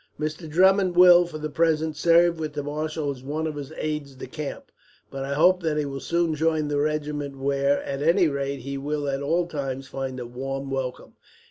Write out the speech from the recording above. "Mr. Drummond will, for the present, serve with the marshal as one of his aides de camp; but I hope that he will soon join the regiment where, at any rate, he will at all times find a warm welcome."